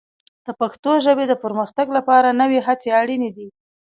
د پښتو ژبې د پرمختګ لپاره نوې هڅې اړینې دي.